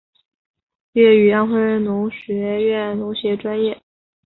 毕业于安徽农学院农学专业。